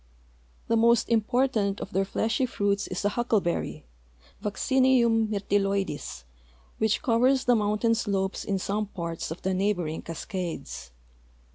The most important of their fleshy fruits is a huckleberry, Vaccinium myrtilloides, which covers the mountain slopes in some parts of the neighboring Cascades.